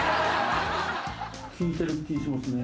効いてる気しますね。